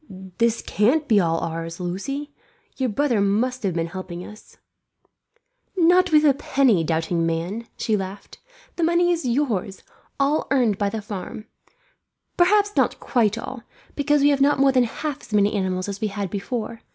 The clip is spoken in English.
"This can't be all ours, Lucie. Your brother must have been helping us." "Not with a penny, doubting man," she laughed. "The money is yours, all earned by the farm; perhaps not quite all, because we have not more than half as many animals as we had before.